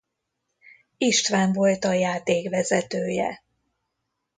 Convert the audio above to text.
István volt a játékvezetője.